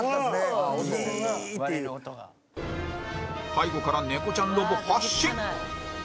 背後から猫ちゃんロボ発進！